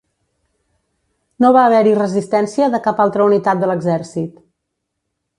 No va haver-hi resistència de cap altra unitat de l'exèrcit.